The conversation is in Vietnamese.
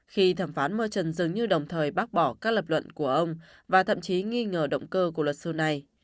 khi thẩm phán meron dường như đồng thời bác bỏ các lập luận của ông và thậm chí nghi ngờ động cơ của luật sư này